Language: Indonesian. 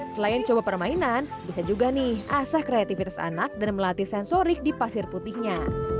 selain coba permainan bisa juga nih asah kreativitas anak dan melatih sensorik di pasir putihnya